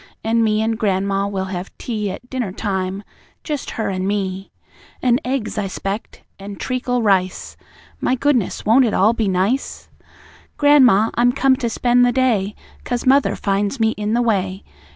An' me and gran'ma will have tea At dinner time just her an' me An' eggs, I 'spect, an' treacle rice. My goodness! Won't it all be nice? "Gran'ma, I'm come to spend the day, 'Cause mother finds me in the way.